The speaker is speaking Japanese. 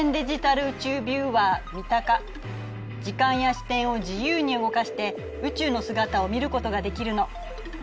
時間や視点を自由に動かして宇宙の姿を見ることができるの。